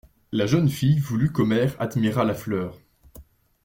La jeune fille voulut qu'Omer admirât la fleur.